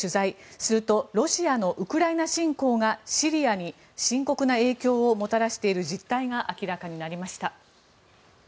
するとロシアのウクライナ侵攻がシリアに深刻な影響をもたらしている実態が明らかになりました。